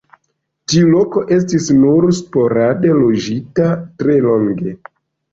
Tiu loko estis nur sporade loĝita tre longe.